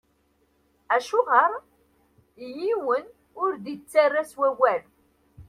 Acuɣeṛ yiwen ur d-ittarra s wawal?